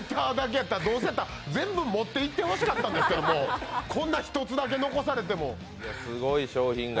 どうせやったら、全部持っていってほしかったんですけど、こんな１つだけ残されても。